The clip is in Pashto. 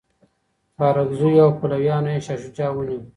بارکزیو او پلویانو یې شاه شجاع ونیوه.